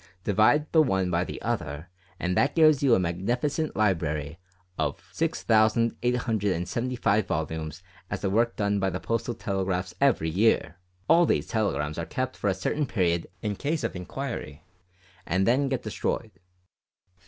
Divide the one by the other, and that gives you a magnificent library of 6875 volumes as the work done by the Postal Telegraphs every year. All these telegrams are kept for a certain period in case of inquiry, and then destroyed."